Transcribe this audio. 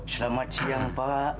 selamat siang pa